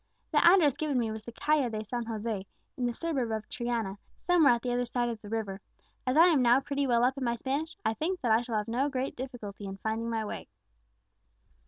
The address given me was the Calle de San José, in the suburb of Triana, somewhere at the other side of the river. As I am now pretty well up in my Spanish, I think that I shall have no great difficulty in finding my way."